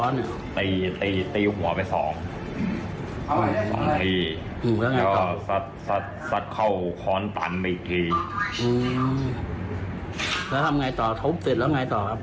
แล้วทำไงต่อทุบเสร็จแล้วไงต่อครับ